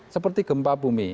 seperti gempa bumi